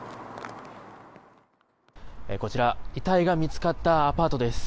こちら、遺体が見つかったアパートです。